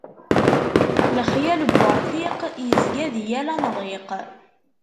Lexyal n urfiq, yezga di yal amḍiq.